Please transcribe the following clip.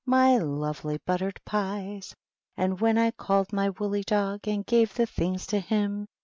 My lovely buttered pies ! And when I called my woolly dog. And gave the things to him.